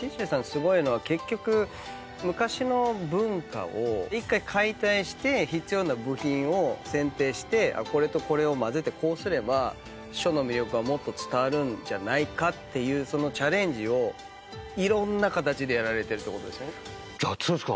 すごいのは結局昔の文化を１回解体して必要な部品を選定してこれとこれを混ぜてこうすれば書の魅力がもっと伝わるんじゃないかっていうそのチャレンジをいろんな形でやられてるってことですよね。